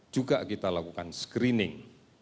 juga kita lakukan screening